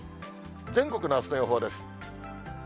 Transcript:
全国のあすの予報です。